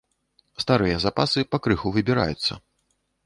Старыя запасы пакрыху выбіраюцца.